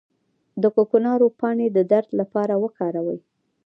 د کوکنارو پاڼې د درد لپاره وکاروئ